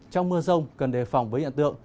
trong mưa rông cần đề phòng với hiện tượng